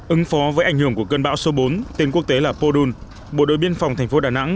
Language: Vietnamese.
ứng phó với ảnh hưởng của cơn bão số bốn tên quốc tế là podun bộ đội biên phòng thành phố đà nẵng